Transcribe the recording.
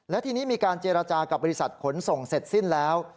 และทีนี้มีการเจรจากับบริษัทขนส่งเสร็จสิ้นแล้ว